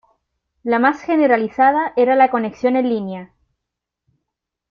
La más generalizada era la conexión en línea.